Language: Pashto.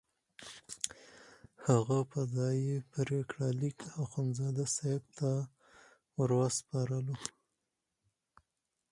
هغه قضایي پرېکړه لیک اخندزاده صاحب ته وروسپارلو.